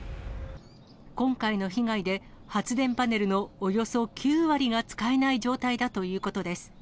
今回の被害で、発電パネルのおよそ９割が使えない状態だということです。